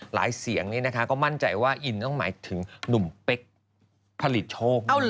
เสียงนี้นะคะก็มั่นใจว่าอินต้องหมายถึงหนุ่มเป๊กผลิตโชคด้วย